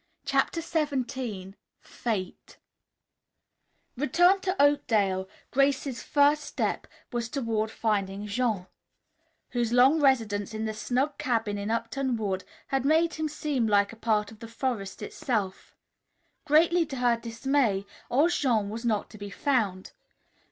CHAPTER XVII FATE Returned to Oakdale, Grace's first step was toward finding Jean, whose long residence in the snug cabin in Upton Wood had made him seem like a part of the forest itself. Greatly to her dismay, old Jean was not to be found.